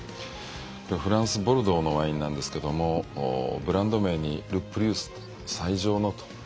これフランス・ボルドーのワインなんですけどもブランド名にルプリウス最上のと。